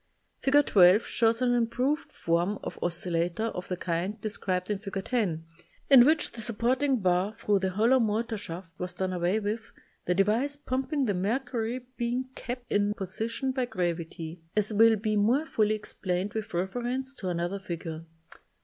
Fig. 12 shows an improved form of oscil lator of the kind described in Fig. 10, in which the supporting bar thru the hol low motor shaft was done away with, the device pumping the mercury being kept in position by gravity, as will be more fully explained with reference to another figure.